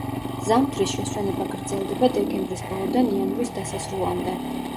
ზამთრის შესვენება გრძელდება დეკემბრის ბოლოდან იანვრის დასასრულამდე.